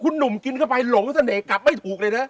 คุณหนุ่มกินเข้าไปหลงเสน่หกลับไม่ถูกเลยนะ